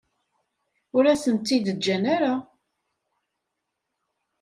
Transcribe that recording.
Ur asen-tt-id-ǧǧan ara.